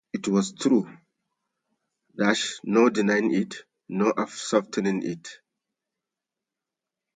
It was true — no denying it, no softening it.